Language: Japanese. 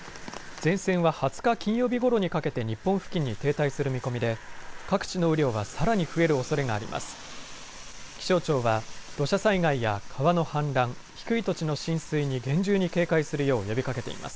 前線は２０日金曜日ごろにかけて日本付近に停滞する見込みで各地の雨量はさらに増えるおそれがあります。